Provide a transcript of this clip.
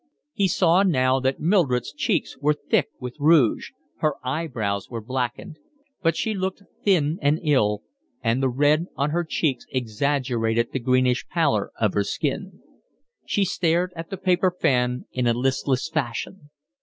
He saw now that Mildred's cheeks were thick with rouge, her eyebrows were blackened; but she looked thin and ill, and the red on her cheeks exaggerated the greenish pallor of her skin. She stared at the paper fan in a listless fashion.